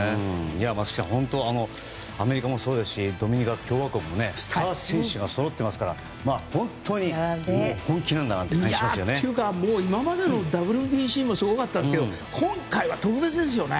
松木さん、本当にアメリカもそうですしドミニカ共和国もスター選手がそろっていますから本当に本気なんだなという感じがしますよね。というか、今までのＷＢＣもすごかったですけど今回は特別ですよね。